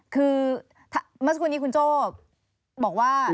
คือเมื่อสักครู่นี้คุณโจ้บอกว่า